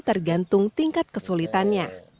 tergantung tingkat kesulitannya